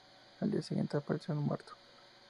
Al día siguiente apareció muerto